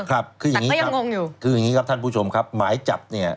แต่ก็ยังงงอยู่คืออย่างนี้ครับท่านผู้ชมครับหมายจับเนี่ย